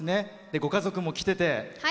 ご家族も来てて。